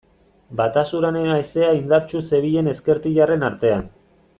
Batasunaren haizea indartsu zebilen ezkertiarren artean.